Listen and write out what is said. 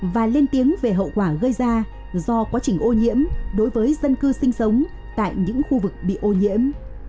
và lên tiếng về hậu quả gây ra do quá trình ô nhiễm đối với dân cư sinh sống tại những khu vực bị ô nhiễm